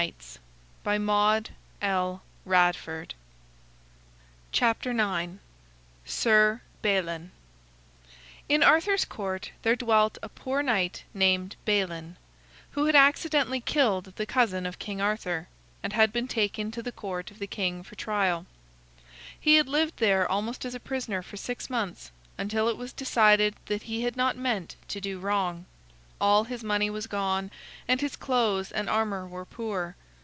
[Illustration: The Holy Grail] SIR BALIN In Arthur's Court there dwelt a poor knight named Balin, who had accidentally killed the cousin of King Arthur, and had been taken to the court of the king for trial. He had lived there almost as a prisoner for six months, until it was decided that he had not meant to do wrong. All his money was gone, and his clothes and armor were poor.